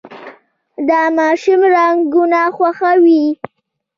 دا ماشوم رنګونه خوښوي.